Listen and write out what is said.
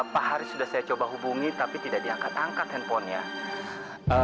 pak haris sudah saya coba hubungi tapi tidak diangkat angkat handphonenya